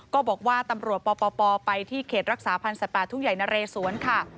ก็บอกว่าตำรวจปปไปที่เขตรักษาพันธ์สัตว์ป่าทุ่งใหญ่นะเรสวนค่ะ